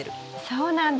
そうなんです。